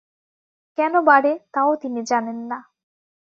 কেন বাড়ে, তাও তিনি জানেন না।